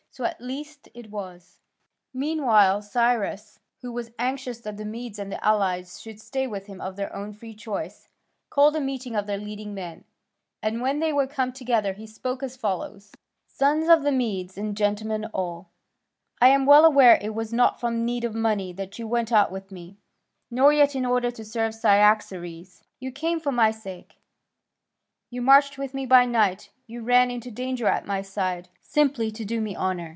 So at least it was. Meanwhile Cyrus, who was anxious that the Medes and the allies should stay with him of their own free choice, called a meeting of their leading men, and when they were come together he spoke as follows: "Sons of the Medes and gentlemen all, I am well aware it was not from need of money that you went out with me, nor yet in order to serve Cyaxares; you came for my sake. You marched with me by night, you ran into danger at my side, simply to do me honour.